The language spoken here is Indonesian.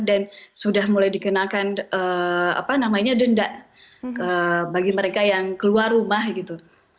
sudah mulai dikenakan denda bagi mereka yang keluar rumah gitu